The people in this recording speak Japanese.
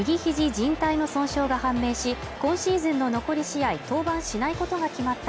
じん帯の損傷が判明し今シーズンの残り試合登板しないことが決まった